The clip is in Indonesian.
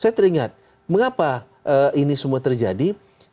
saya teringat mengapa ini semua terjadi